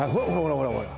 ほらほら